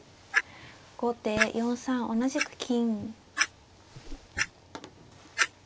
後手４三同じく金。